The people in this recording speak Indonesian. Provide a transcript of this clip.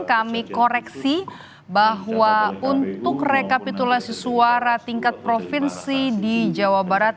kami koreksi bahwa untuk rekapitulasi suara tingkat provinsi di jawa barat